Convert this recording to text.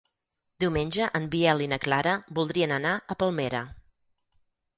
Diumenge en Biel i na Clara voldrien anar a Palmera.